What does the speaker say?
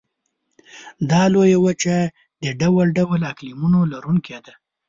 دا لویه وچه د ډول ډول اقلیمونو لرونکې ده.